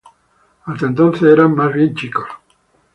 Hasta entonces eran más bien chicos.